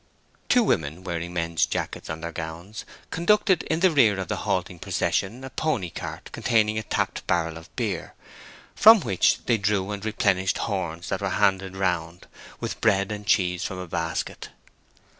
Two women, wearing men's jackets on their gowns, conducted in the rear of the halting procession a pony cart containing a tapped barrel of beer, from which they drew and replenished horns that were handed round, with bread and cheese from a basket.